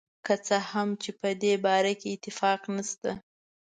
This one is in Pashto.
که څه هم چې په دې باره کې اتفاق نشته.